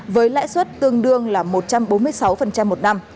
với lãi suất tương đương là một trăm bốn mươi sáu một năm